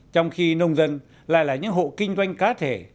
trong khi nông dân lại là những hộ kinh doanh cá thể